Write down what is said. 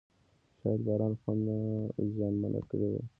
شاید باران خونه زیانمنه کړې وي.